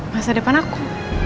masa depan aku